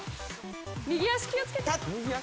右足気をつけて！